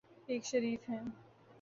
ایک شریف ہیں۔